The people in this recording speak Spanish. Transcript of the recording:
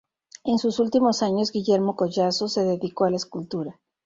En sus últimos años Guillermo Collazo se dedicó a la escultura.